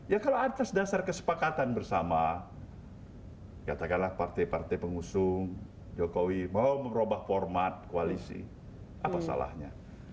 ya kalau atas dasar kesepakatan bersama katakanlah partai partai pengusung jokowi mau merubah format koalisi apa salahnya